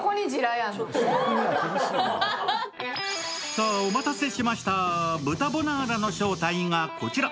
さあ、お待たせしました、豚ボナーラの正体がこちら。